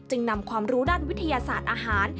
นำความรู้ด้านวิทยาศาสตร์อาหาร